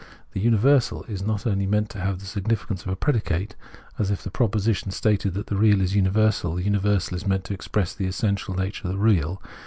The universal is not only meant to have the significance of a predicate, as if the proposition stated that the real is universal : the universal is meant to express the essential nature of the real.